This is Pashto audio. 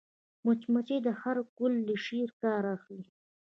مچمچۍ د هر ګل له شيرې کار اخلي